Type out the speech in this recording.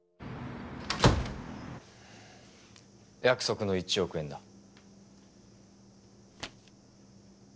約束の１億円だ。